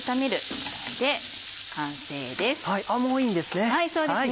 もういいんですね。